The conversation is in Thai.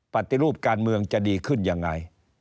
ปฏิรูปการเมืองจะดีขึ้นยังไง